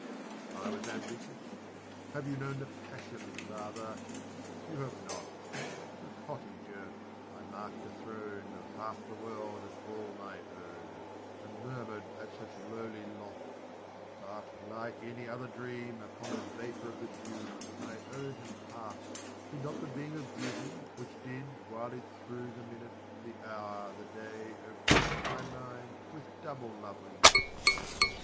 I was ambitious have you known The passion, father? You have not: A cottager, I mark'd a throne Of half the world as all my own, And murmur'd at such lowly lot But, just like any other dream, Upon the vapour of the dew My own had past, did not the beam Of beauty which did while it thro' The minute the hour the day oppress My mind with double loveliness.